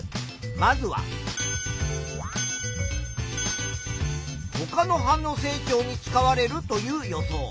まずはほかの葉の成長に使われるという予想。